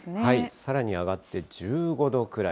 さらに上がって、１５度くらい。